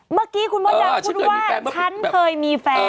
เมื่อกี้คุณมดดำคุณว่าฉันเคยมีแฟน